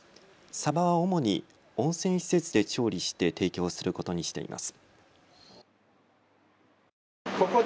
サバは主に温泉施設で調理して提供することにしています。